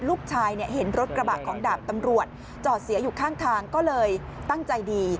ลูกชายเห็นรถกระบะของดาบตำรวจจอดเสียอยู่ข้างทางก็เลยตั้งใจดี